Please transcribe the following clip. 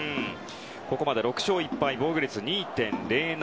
ここまで６勝１敗防御率２．０７。